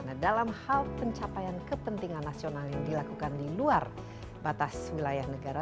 nah dalam hal pencapaian kepentingan nasional yang dilakukan di luar batas wilayah negara